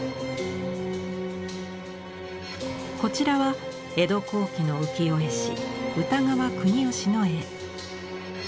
こちらは江戸後期の浮世絵師歌川国芳の絵。